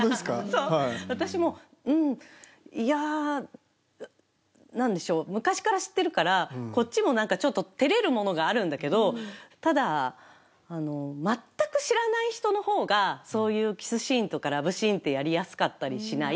そう、私も、うん、いやー、なんでしょう、昔から知ってるから、こっちもなんかちょっとてれるものがあるんだけど、ただ、全く知らない人のほうが、そういうキスシーンとか、ラブシーンってやりやすかったりしない？